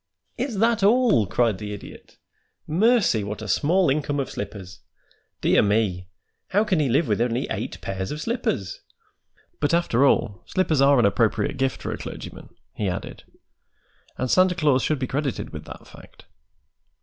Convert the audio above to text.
"Is that all?" cried the Idiot. "Mercy, what a small income of slippers! Dear me! how can he live with only eight pairs of slippers? But, after all, slippers are an appropriate gift for a clergyman," he added, "and Santa Claus should be credited with that fact.